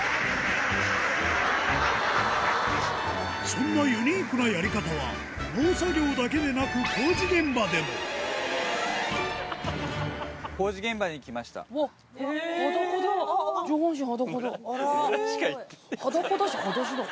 そんなユニークなやり方は農作業だけでなく工事現場でも上半身裸だ。